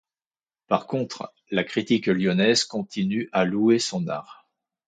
Par contre, la critique lyonnaise continue à louer son art.